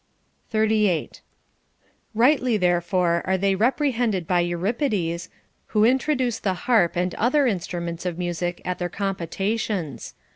38. Rightly therefore are they reprehended by Euripides, who introduce the harp and other instruments of music at their com potations.